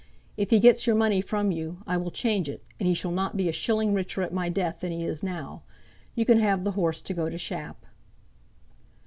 If he gets your money from you, I will change it, and he shall not be a shilling richer at my death than he is now. You can have the horse to go to Shap."